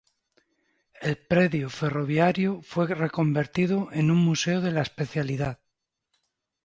El predio ferroviario fue reconvertido en un museo de la especialidad.